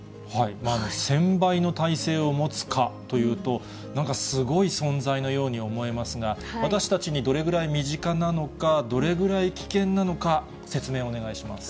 １０００倍の耐性を持つ蚊というと、なんか、すごい存在のように思いますが、私たちにどれぐらい身近なのか、どれぐらい危険なのか、説明をお願いします。